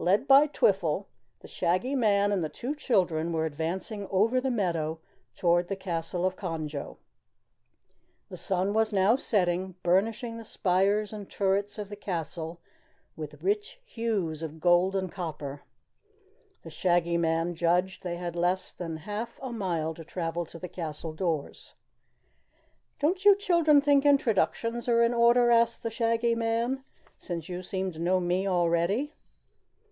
Led by Twiffle, the Shaggy Man and the two children were advancing over the meadow toward the Castle of Conjo. The sun was now setting, burnishing the spires and turrets of the castle with rich hues of gold and copper. The Shaggy Man judged they had less than a half a mile to travel to the castle doors. "Don't you children think introductions are in order?" asked the Shaggy Man, "since you seem to know me already."